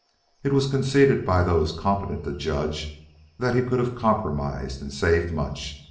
It was conceded by those competent to judge that he could have compromised and saved much.